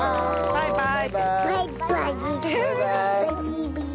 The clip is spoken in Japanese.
バイバイ。